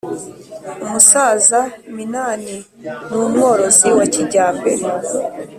umusaza minani ni umworozi wa kijyambere